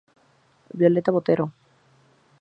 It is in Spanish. Violeta Botero.